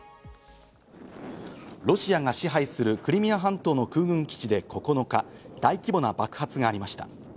ロシアが支配するクリミア半島の空軍基地で９日、大規模な爆発がありました。